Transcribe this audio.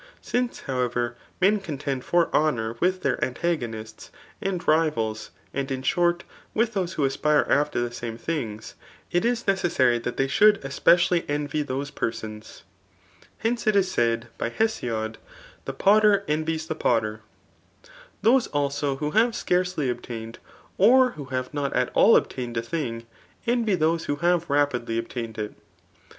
Since, however, men contend for honour with their an tagonists, and rivals, and in short with those who aspire after the same things, it is necessary that they should 143 THE AUT W • »0C« IT* espccialJf iwy tiloie 'p^f8Ci>$/ tteftpce, it ^s' safid [by Hestod]; The pdtiet emies the potter. Those also who have scarcely obtained, or who have not a! :all o4>tained a thing, envy those who have rapidly obtained it.